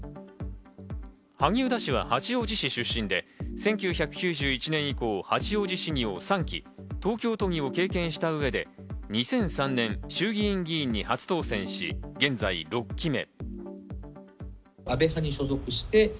萩生田氏は八王子市出身で、１９９１年以降、八王子市議を３期、東京都議を経験した上で、２００３年、衆議院議員に初当選し、現在６期目。